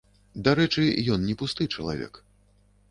Дарэчы, ён не пусты чалавек.